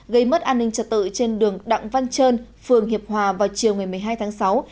gây mất an ninh trật tự trên đường đặng văn trơn phường hiệp hòa vào chiều một mươi hai tháng sáu